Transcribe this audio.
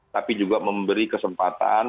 tapi juga memberi kesempatan